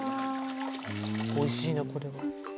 「美味しいなこれは」